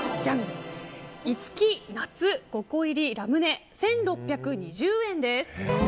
五季夏５個入ラムネ１６２０円です。